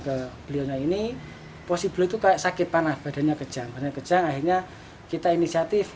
ke beliau ini posibel itu kayak sakit panas badannya kejang kejang akhirnya kita inisiatif